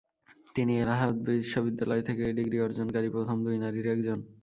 তিনি এলাহাবাদ বিশ্ববিদ্যালয় থেকে ডিগ্রি অর্জন কারী প্রথম দুই নারীর একজন।